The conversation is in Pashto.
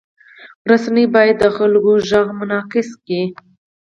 رسنۍ باید د خلکو غږ منعکس کړي.